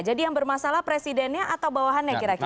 jadi yang bermasalah presidennya atau bawahannya kira kira